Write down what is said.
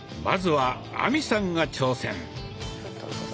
まずは亜美さんが挑戦。